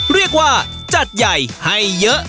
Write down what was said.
เรียกว่าจัดใหญ่ให้เยอะ